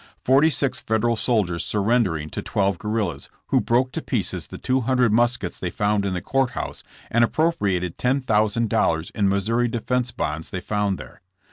Forty six Federal soldiers surren dering to twelve guerrillas, who broke to pieces the two hundred muskets they found in the court house and appropriated $10,000 in Missouri defence bonds they found there.